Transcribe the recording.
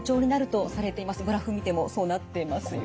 グラフを見てもそうなっていますよね。